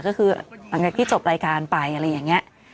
ก็คือหลังจากที่จบรายการไปอะไรอย่างนี้